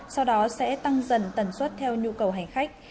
sau đó sẽ tăng dần tần suất theo nhu cầu hành khách